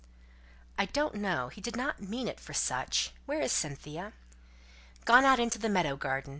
"I don't know. He did not mean it for such. Where is Cynthia?" "Gone out into the meadow garden.